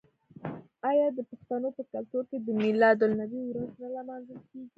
آیا د پښتنو په کلتور کې د میلاد النبي ورځ نه لمانځل کیږي؟